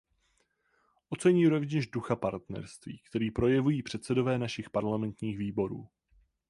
Oceňuji rovněž ducha partnerství, který projevují předsedové našich parlamentních výborů.